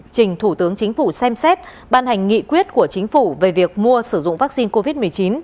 trình thủ tướng chính phủ xem xét ban hành nghị quyết của chính phủ về việc mua sử dụng vaccine covid một mươi chín